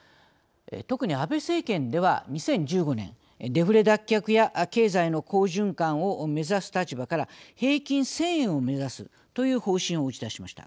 特に安倍政権では２０１５年デフレ脱却や経済の好循環を目指す立場から平均１，０００円を目指すという方針を打ち出しました。